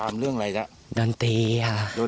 ไม่ทำตาม